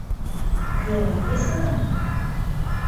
— Кӧлан весылан?